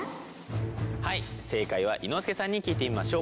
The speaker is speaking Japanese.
はい正解は伊之助さんに聞いてみましょう！